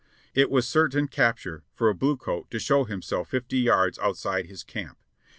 It was certain capture for a blue coat to show himself fifty yards outside his camp.